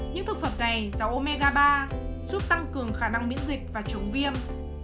những thực phẩm này dầu omega ba giúp tăng cường khả năng miễn dịch và chống viêm